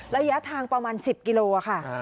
ระยะทางประมาณ๑๐กิโลค่ะ